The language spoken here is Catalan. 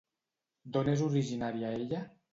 D'on és originària ella?